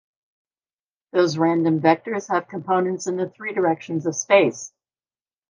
Those random vectors have components in the three directions of space.